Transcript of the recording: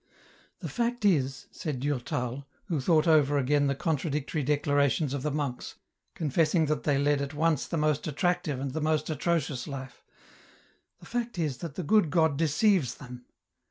" The fact is," said Durtal, who thought over again the contradictory declarations of the monks, confessing that they led at once the most attractive and the most atrocious life ;" the fact is that the good God deceives them.